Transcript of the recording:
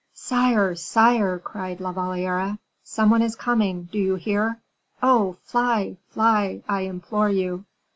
"Sire! sire!" cried La Valliere, "some one is coming; do you hear? Oh, fly! fly! I implore you."